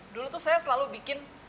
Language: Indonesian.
dulu tuh saya selalu bikin